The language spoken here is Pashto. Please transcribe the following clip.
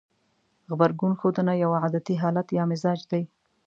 غبرګون ښودنه يو عادتي حالت يا مزاج دی.